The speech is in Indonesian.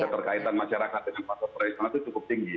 keterkaitan masyarakat dengan pasar tradisional itu cukup tinggi